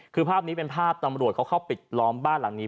คือภาพนี้เป็นภาพตำรวจเขาเข้าปิดล้อมบ้านหลังนี้